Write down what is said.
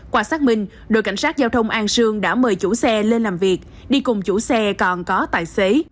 qua xác minh đội cảnh sát giao thông an sương đã mời chủ xe lên làm việc đi cùng chủ xe còn có tài xế